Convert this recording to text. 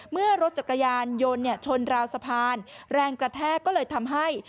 เมื่อรถจักรยานยนต์ชนราวสะพานแรงกระแทกก็เลยทำให้